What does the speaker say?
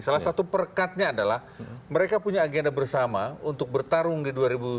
salah satu perkatnya adalah mereka punya agenda bersama untuk bertarung di dua ribu sembilan belas